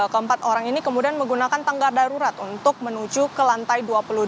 keempat orang ini kemudian menggunakan tangga darurat untuk menuju ke lantai dua puluh dua